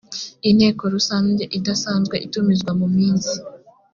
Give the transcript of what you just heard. inteko rusange idasanzwe itumizwa mu minsi